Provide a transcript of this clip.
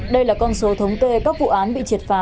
đây là con số thống kê các vụ án bị triệt phá